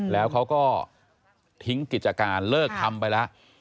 แล้วเขาก็ทิ้งกิจการเลิกทำไปแล้ว